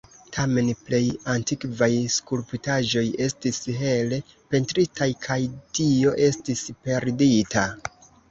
Tamen, plej antikvaj skulptaĵoj estis hele pentritaj, kaj tio estis perdita.